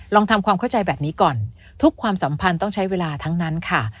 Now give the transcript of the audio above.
ลองทำความเข้าใจแบบนี้ก่อนทุกความสัมพันธ์ต้องใช้เวลาทั้งนั้นค่ะ